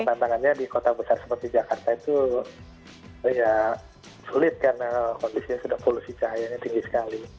tantangannya di kota besar seperti jakarta itu ya sulit karena kondisinya sudah polusi cahayanya tinggi sekali